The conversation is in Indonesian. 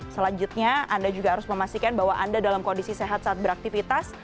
selanjutnya anda juga harus memastikan bahwa anda dalam kondisi sehat saat beraktivitas